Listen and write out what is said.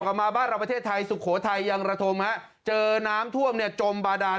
กลับมาบ้านระปะเทศไทยสุโภทัยยังระทมเจอน้ำท่วมจมบาดาน